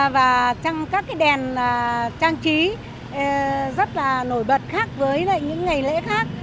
và các cái đèn trang trí rất là nổi bật khác với những ngày lễ khác